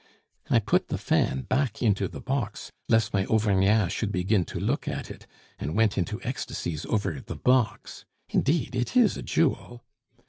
I put the fan back into the box lest my Auvergnat should begin to look at it, and went into ecstasies over the box; indeed, it is a jewel.